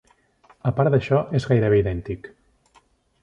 Apart d'això, és gairebé idèntic.